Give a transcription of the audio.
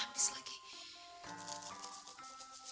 tepungnya malah habis lagi